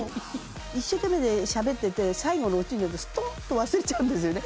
一生懸命しゃべってて最後のオチになるとストンと忘れちゃうんですよね。